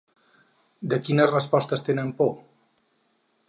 De quines respostes tenen por?.